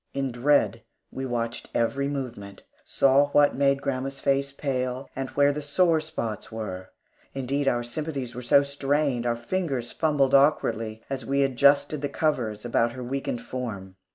In dread we watched every movement, saw what made grandma's face pale, and where the sore spots were. Indeed our sympathies were so strained, our fingers fumbled awkwardly as we adjusted the covers about her weakened form.